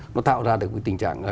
nó tạo ra được cái tình trạng